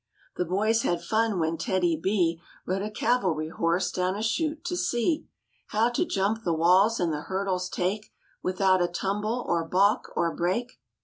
The boys had fun when TEDDY B Rode a cavalry horse down a shute to see How to jump the walls and the hurdles take Without a tumble or balk or break.